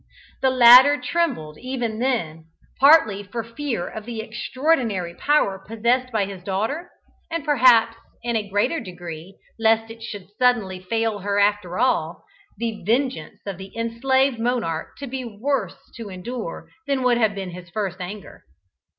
The latter trembled even then, partly for fear of the extraordinary power possessed by his daughter, and perhaps in a greater degree lest it should suddenly fail her after all, and the vengeance of the enslaved monarch be worse to endure than would have been his first anger.